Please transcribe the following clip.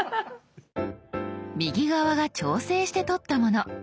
右側が調整して撮ったもの。